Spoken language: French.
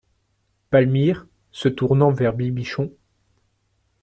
Palmyre, se tournant vers Bibichon.